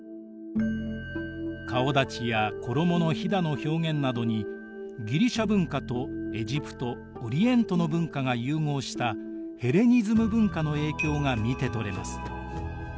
顔だちや衣のひだの表現などにギリシア文化とエジプトオリエントの文化が融合したヘレニズム文化の影響が見て取れます。